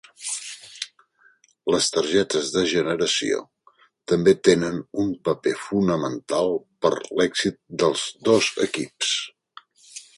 Les targetes de generació també tenen un paper fonamental per a l'èxit dels dos equips.